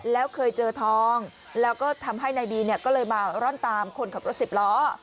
แล้วเคยเจอทองแล้วก็ทำให้นายบีเนี่ยก็เลยมาร่อนตามคนขับรถสิบล้อ